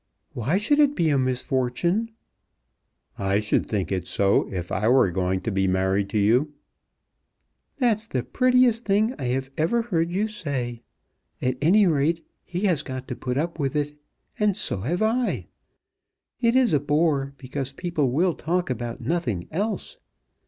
"Why should it be a misfortune?" "I should think it so if I were going to be married to you." "That's the prettiest thing I have ever heard you say. At any rate he has got to put up with it, and so have I. It is a bore, because people will talk about nothing else.